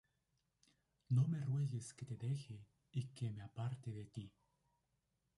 No me ruegues que te deje, y que me aparte de ti: